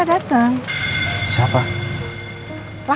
tidak ada apa apa